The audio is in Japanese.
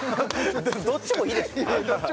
どっちもいいでしょ